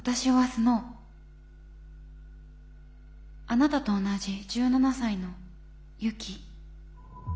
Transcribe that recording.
あなたと同じ１７才のユキ。